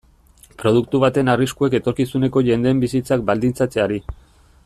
Produktu baten arriskuek etorkizuneko jendeen bizitzak baldintzatzeari.